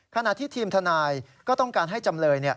ขณะที่ทีมทนายก็ต้องการให้จำเลย